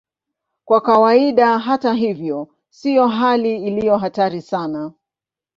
Kwa kawaida, hata hivyo, sio hali iliyo hatari sana.